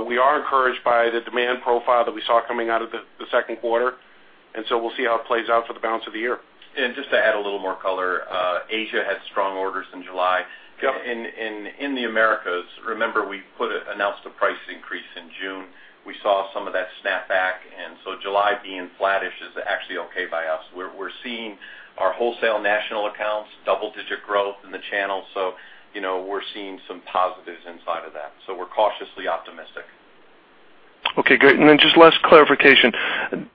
Speaker 3: We are encouraged by the demand profile that we saw coming out of the second quarter, and so we'll see how it plays out for the balance of the year. And just to add a little more color, Asia had strong orders in July. Yep. In the Americas, remember, we announced a price increase in June. We saw some of that snap back, and so July being flattish is actually okay by us. We're seeing our wholesale national accounts, double-digit growth in the channel, so you know, we're seeing some positives inside of that, so we're cautiously optimistic.
Speaker 8: Okay, great. And then just last clarification.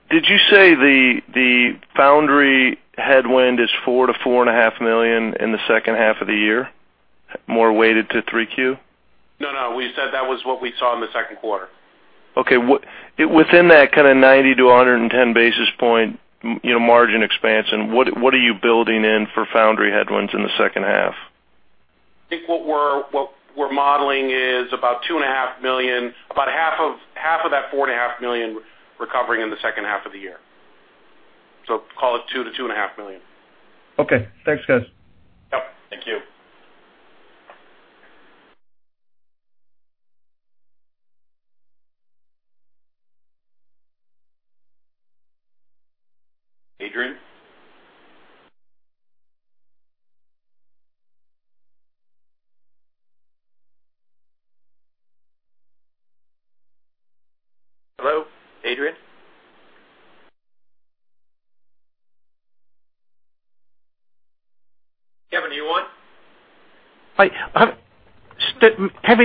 Speaker 8: Did you say the foundry headwind is $4 million-$4.5 million in the second half of the year, more weighted to 3Q?
Speaker 3: No, no, we said that was what we saw in the second quarter.
Speaker 8: Okay. Within that kind of 90-110 basis points, you know, margin expansion, what are you building in for foundry headwinds in the second half?
Speaker 3: I think what we're modeling is about $2.5 million, about half of that $4.5 million recovering in the second half of the year. So call it $2-$2.5 million.
Speaker 8: Okay. Thanks, guys.
Speaker 3: Yep. Thank you. Adrian? Hello, Adrian?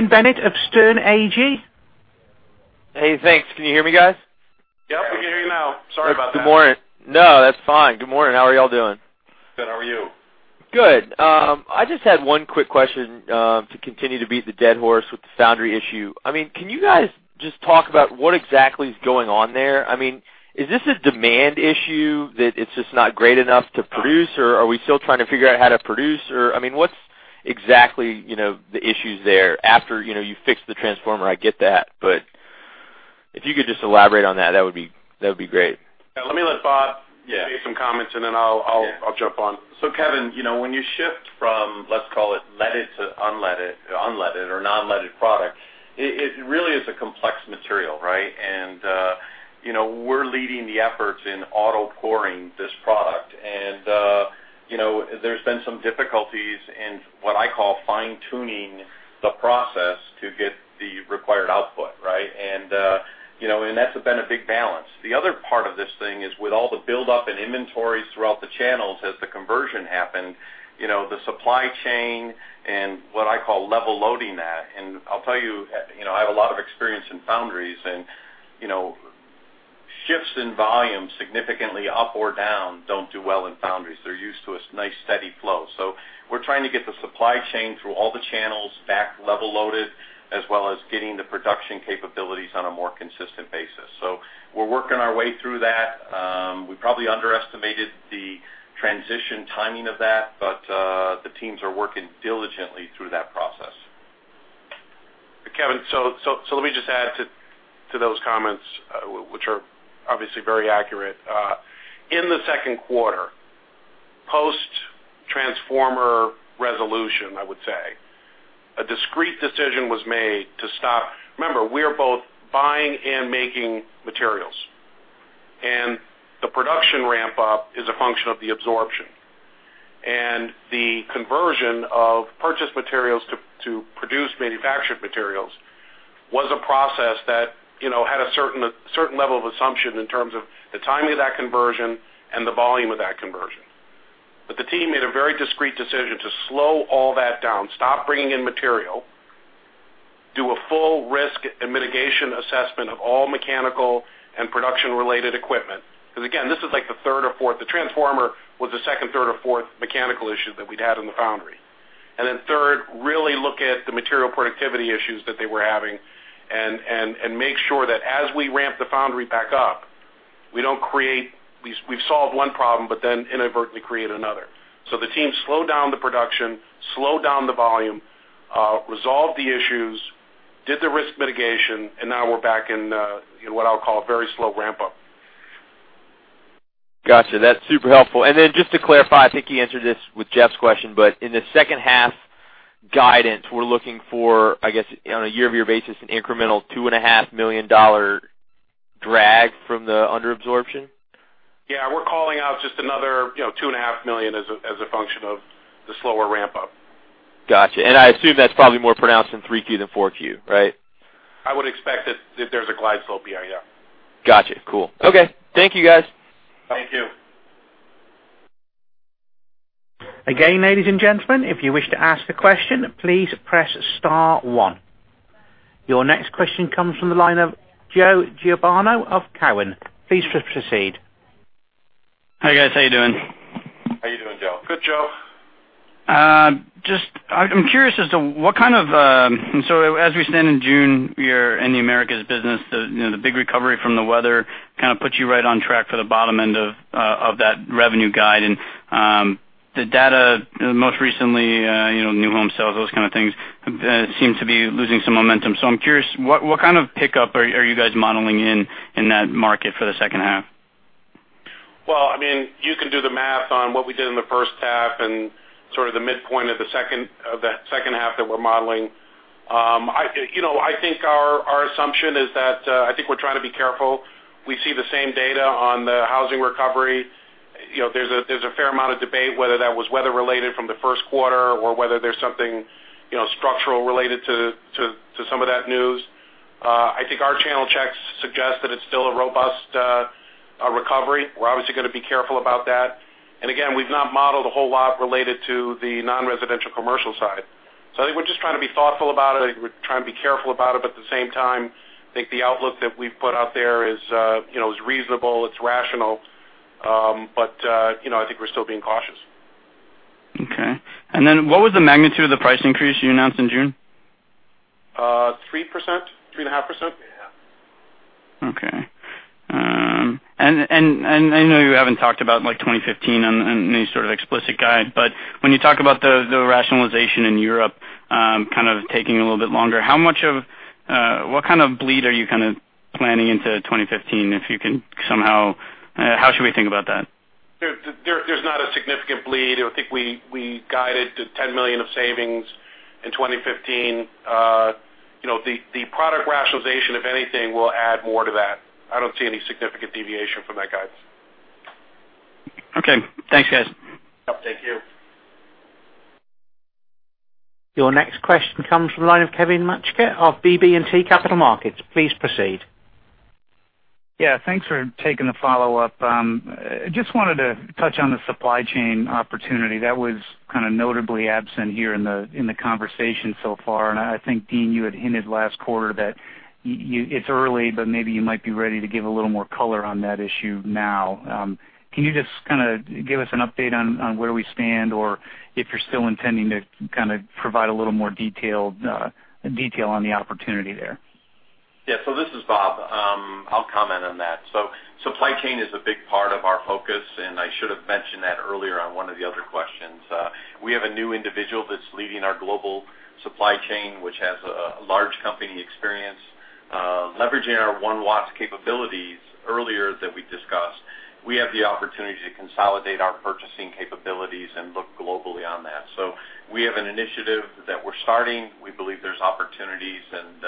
Speaker 3: Kevin, are you on?
Speaker 1: Hi, Kevin Bennett of Sterne Agee.
Speaker 9: Hey, thanks. Can you hear me, guys?
Speaker 3: Yep, we can hear you now. Sorry about that.
Speaker 9: Good morning. No, that's fine. Good morning. How are y'all doing?
Speaker 3: Good. How are you?
Speaker 9: Good. I just had one quick question to continue to beat the dead horse with the foundry issue. I mean, can you guys just talk about what exactly is going on there? I mean, is this a demand issue that it's just not great enough to produce, or are we still trying to figure out how to produce or... I mean, what's exactly, you know, the issues there after, you know, you fix the transformer? I get that, but... If you could just elaborate on that, that would be, that would be great.
Speaker 4: Let me let Bob make some comments, and then I'll, I'll jump on.
Speaker 3: So Kevin, you know, when you shift from, let's call it, leaded to unleaded, unleaded or non-leaded product, it really is a complex material, right? And you know, we're leading the efforts in auto pouring this product. And you know, there's been some difficulties in what I call fine-tuning the process to get the required output, right? And you know, and that's been a big balance. The other part of this thing is with all the buildup in inventories throughout the channels, as the conversion happened, you know, the supply chain and what I call level loading that. And I'll tell you, you know, I have a lot of experience in foundries, and you know, shifts in volume, significantly up or down, don't do well in foundries. They're used to a nice, steady flow. We're trying to get the supply chain through all the channels back level loaded, as well as getting the production capabilities on a more consistent basis. We're working our way through that. We probably underestimated the transition timing of that, but, the teams are working diligently through that process.
Speaker 4: Kevin, so let me just add to those comments, which are obviously very accurate. In the second quarter, post transformer resolution, I would say a discrete decision was made to stop. Remember, we are both buying and making materials, and the production ramp up is a function of the absorption. And the conversion of purchased materials to produce manufactured materials was a process that, you know, had a certain level of assumption in terms of the timing of that conversion and the volume of that conversion. But the team made a very discrete decision to slow all that down, stop bringing in material, do a full risk and mitigation assessment of all mechanical and production-related equipment. Because, again, this is like the third or fourth. The transformer was the second, third, or fourth mechanical issue that we'd had in the foundry. And then third, really look at the material productivity issues that they were having and make sure that as we ramp the foundry back up, we don't create. We've solved one problem, but then inadvertently create another. So the team slowed down the production, slowed down the volume, resolved the issues, did the risk mitigation, and now we're back in what I'll call a very slow ramp up.
Speaker 9: Got you. That's super helpful. And then just to clarify, I think you answered this with Jeff's question, but in the second half guidance, we're looking for, I guess, on a year-over-year basis, an incremental $2.5 million drag from the under absorption?
Speaker 4: Yeah, we're calling out just another, you know, $2.5 million as a function of the slower ramp up.
Speaker 9: Got you. I assume that's probably more pronounced in 3Q than 4Q, right?
Speaker 4: I would expect that, that there's a glide slope, yeah.
Speaker 9: Got you. Cool. Okay. Thank you, guys.
Speaker 4: Thank you.
Speaker 1: Again, ladies and gentlemen, if you wish to ask a question, please press star one. Your next question comes from the line of Joe Giordano of Cowen. Please proceed.
Speaker 10: Hi, guys. How you doing?
Speaker 4: How you doing, Joe?
Speaker 3: Good, Joe.
Speaker 10: Just, I'm curious as to what kind of... So as we stand in June, you're in the Americas business, the, you know, the big recovery from the weather kind of puts you right on track for the bottom end of that revenue guide. And, the data, most recently, you know, new home sales, those kind of things, seem to be losing some momentum. So I'm curious, what kind of pickup are you guys modeling in that market for the second half?
Speaker 4: Well, I mean, you can do the math on what we did in the first half and sort of the midpoint of the second of that second half that we're modeling. I, you know, I think our assumption is that, I think we're trying to be careful. We see the same data on the housing recovery. You know, there's a fair amount of debate whether that was weather related from the first quarter or whether there's something, you know, structural related to some of that news. I think our channel checks suggest that it's still a robust recovery. We're obviously going to be careful about that. And again, we've not modeled a whole lot related to the non-residential commercial side. So I think we're just trying to be thoughtful about it. We're trying to be careful about it, but at the same time, I think the outlook that we've put out there is, you know, is reasonable, it's rational. But, you know, I think we're still being cautious.
Speaker 10: Okay. And then what was the magnitude of the price increase you announced in June?
Speaker 4: 3%, 3.5%.
Speaker 3: Yeah.
Speaker 10: Okay. And I know you haven't talked about, like, 2015 on any sort of explicit guide, but when you talk about the rationalization in Europe kind of taking a little bit longer, how much of what kind of bleed are you kind of planning into 2015, if you can somehow, how should we think about that?
Speaker 4: There's not a significant bleed. I think we guided to $10 million of savings in 2015. You know, the product rationalization, if anything, will add more to that. I don't see any significant deviation from that guide.
Speaker 10: Okay. Thanks, guys.
Speaker 4: Yep, thank you.
Speaker 1: Your next question comes from the line of Kevin Maczka of BB&T Capital Markets. Please proceed.
Speaker 5: Yeah, thanks for taking the follow-up. I just wanted to touch on the supply chain opportunity that was kind of notably absent here in the, in the conversation so far. I think, Dean, you had hinted last quarter that you—it's early, but maybe you might be ready to give a little more color on that issue now. Can you just kind of give us an update on, on where we stand, or if you're still intending to kind of provide a little more detailed detail on the opportunity there?
Speaker 3: Yeah. So this is Bob....
Speaker 4: I'll comment on that. So supply chain is a big part of our focus, and I should have mentioned that earlier on one of the other questions. We have a new individual that's leading our global supply chain, which has a large company experience. Leveraging our One Watts capabilities earlier that we discussed, we have the opportunity to consolidate our purchasing capabilities and look globally on that. So we have an initiative that we're starting. We believe there's opportunities, and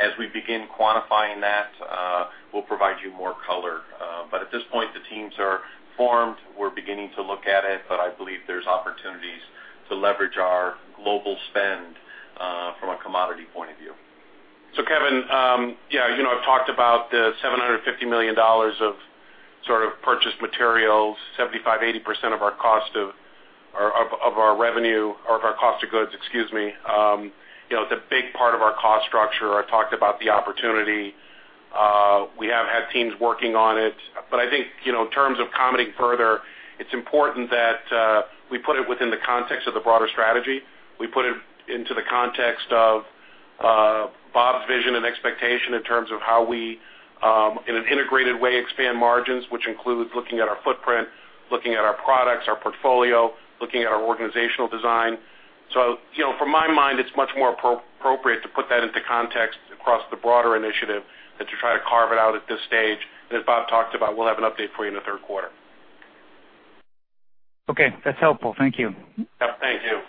Speaker 4: as we begin quantifying that, we'll provide you more color. But at this point, the teams are formed. We're beginning to look at it, but I believe there's opportunities to leverage our global spend from a commodity point of view. So, Kevin, yeah, you know, I've talked about the $750 million of sort of purchased materials, 75%-80% of our cost of goods, excuse me. You know, it's a big part of our cost structure. I talked about the opportunity. We have had teams working on it, but I think, you know, in terms of commenting further, it's important that we put it within the context of the broader strategy. We put it into the context of Bob's vision and expectation in terms of how we, in an integrated way, expand margins, which includes looking at our footprint, looking at our products, our portfolio, looking at our organizational design. So, you know, from my mind, it's much more appropriate to put that into context across the broader initiative than to try to carve it out at this stage. As Bob talked about, we'll have an update for you in the third quarter.
Speaker 9: Okay, that's helpful. Thank you.
Speaker 4: Yeah. Thank you.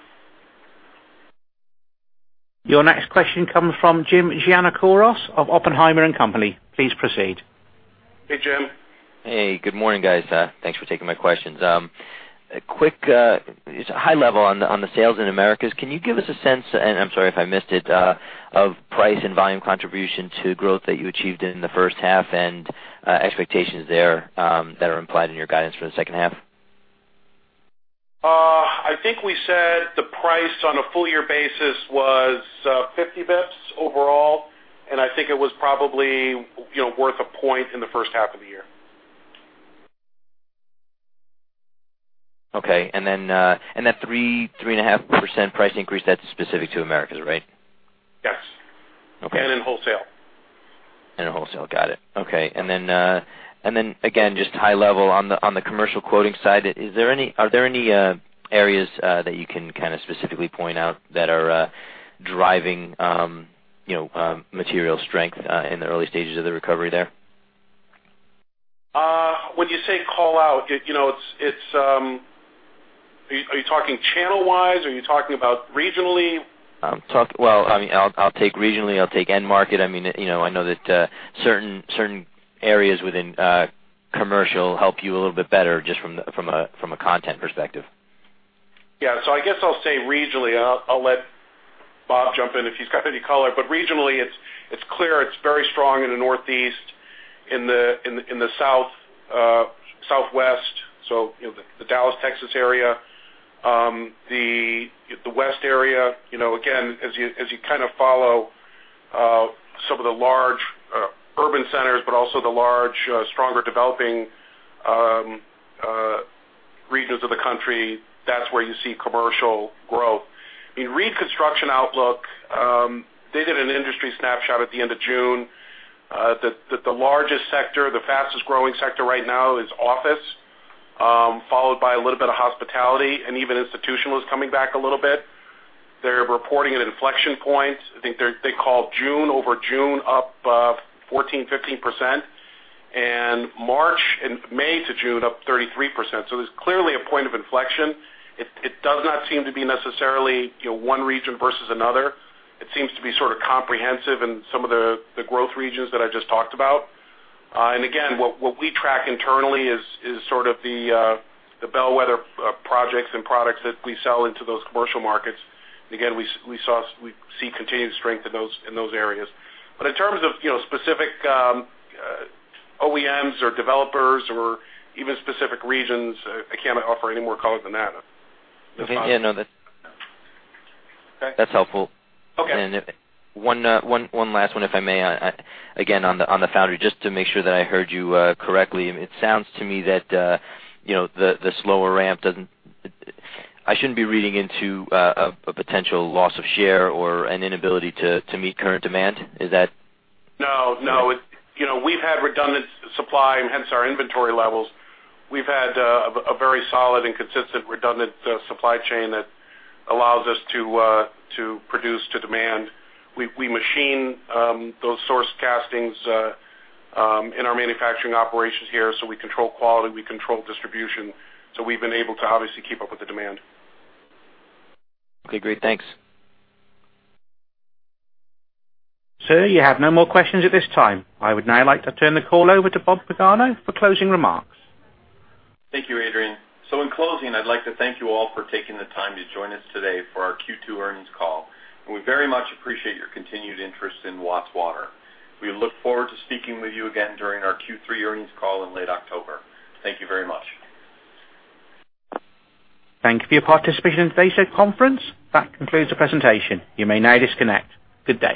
Speaker 1: Your next question comes from Jim of Oppenheimer & Co. Please proceed. Hey, Jim.
Speaker 11: Hey, good morning, guys. Thanks for taking my questions. A quick high level on the sales in Americas. Can you give us a sense, and I'm sorry if I missed it, of price and volume contribution to growth that you achieved in the first half and expectations there that are implied in your guidance for the second half?
Speaker 4: I think we said the price on a full year basis was 50 basis points overall, and I think it was probably, you know, worth a point in the first half of the year.
Speaker 11: Okay. And then, that 3, 3.5% price increase, that's specific to Americas, right?
Speaker 4: Yes.
Speaker 11: Okay.
Speaker 4: In wholesale.
Speaker 11: And in wholesale. Got it. Okay. And then again, just high level on the commercial quoting side, are there any areas that you can kind of specifically point out that are driving you know material strength in the early stages of the recovery there?
Speaker 4: When you say call out, you know, it's... Are you talking channel-wise? Are you talking about regionally?
Speaker 11: Well, I mean, I'll, I'll take regionally. I'll take end market. I mean, you know, I know that certain, certain areas within commercial help you a little bit better, just from, from a, from a content perspective.
Speaker 4: Yeah. So I guess I'll say regionally, and I'll let Bob jump in if he's got any color. But regionally, it's clear it's very strong in the Northeast, in the South, Southwest, so, you know, the Dallas, Texas, area, the West area. You know, again, as you kind of follow some of the large urban centers, but also the large stronger developing regions of the country, that's where you see commercial growth. In Reed Construction Outlook, they did an industry snapshot at the end of June, that the largest sector, the fastest-growing sector right now is office, followed by a little bit of hospitality, and even institutional is coming back a little bit. They're reporting an inflection point. I think they're they call June, over June, up 14, 15%, and March and May to June, up 33%. So there's clearly a point of inflection. It does not seem to be necessarily, you know, one region versus another. It seems to be sort of comprehensive in some of the growth regions that I just talked about. And again, what we track internally is sort of the bellwether projects and products that we sell into those commercial markets. And again, we see continued strength in those areas. But in terms of, you know, specific OEMs or developers or even specific regions, I cannot offer any more color than that.
Speaker 11: Yeah, no, that's-
Speaker 4: Okay.
Speaker 11: That's helpful.
Speaker 4: Okay.
Speaker 11: One last one, if I may, again, on the foundry, just to make sure that I heard you correctly. It sounds to me that, you know, the slower ramp doesn't... I shouldn't be reading into a potential loss of share or an inability to meet current demand. Is that-
Speaker 4: No, no. You know, we've had redundant supply and hence our inventory levels. We've had a very solid and consistent redundant supply chain that allows us to to produce to demand. We machine those source castings in our manufacturing operations here, so we control quality, we control distribution, so we've been able to obviously keep up with the demand.
Speaker 11: Okay, great. Thanks.
Speaker 1: Sir, you have no more questions at this time. I would now like to turn the call over to Bob Pagano for closing remarks.
Speaker 3: Thank you, Adrian. So in closing, I'd like to thank you all for taking the time to join us today for our Q2 earnings call, and we very much appreciate your continued interest in Watts Water. We look forward to speaking with you again during our Q3 earnings call in late October. Thank you very much.
Speaker 1: Thank you for your participation in today's conference. That concludes the presentation. You may now disconnect. Good day.